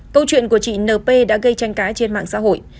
câu chuyện của chị n p đã gây tranh cãi trên mạng xã hội